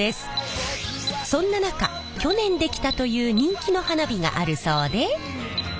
そんな中去年できたという人気の花火があるそうで。